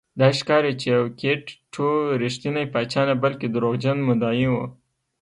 داسې ښکاري چې یوکیت ټو رښتینی پاچا نه بلکې دروغجن مدعي و.